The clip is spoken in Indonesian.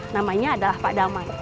namanya adalah pak damai